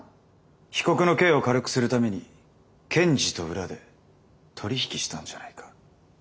被告の刑を軽くするために検事と裏で取り引きしたんじゃないか？